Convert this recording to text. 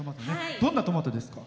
どんなトマトですか？